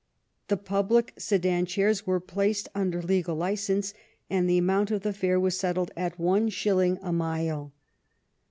The public sedan chairs were placed under legal license, and the amount of the fare was settled at one shilling a mile.